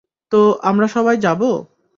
তো, আমরা সবাই যাবো?